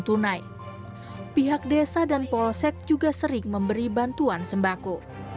tunai pihak desa dan polsek juga sering memberi bantuan sembako